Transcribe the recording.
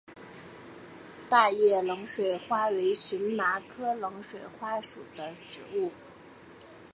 大叶冷水花为荨麻科冷水花属的植物。